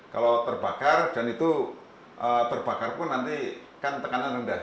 kalau terbakar dan itu terbakar pun nanti kan tekanan rendah